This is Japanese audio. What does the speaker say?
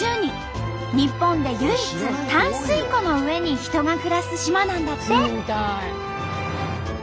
日本で唯一淡水湖の上に人が暮らす島なんだって！